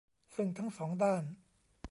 ซึ่งทั้งสองด้าน